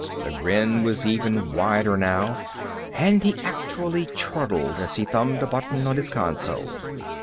The grin was even wider now and he actually chortled as he thumbed a button on his console.